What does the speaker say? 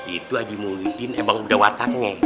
itu haji muhyiddin emang udah wataknya